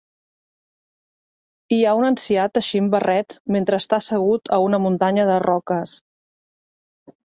Hi ha un ancià teixint barrets mentre està assegut a una muntanya de roques.